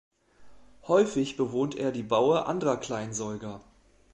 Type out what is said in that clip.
Häufig bewohnt er die Baue anderer Kleinsäuger.